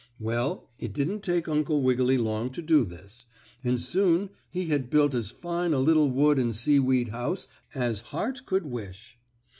Well, it didn't take Uncle Wiggily long to do this, and soon he had built as fine a little wood and seaweed house as heart could wish.